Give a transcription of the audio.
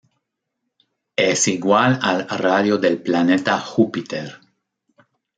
Es igual al radio del planeta Júpiter.